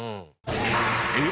えっ？